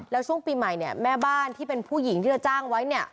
แล้วช่วงปีใหม่เนี่ยแม่บ้านที่เป็นผู้หญิงที่เธอจ้างไว้เนี่ย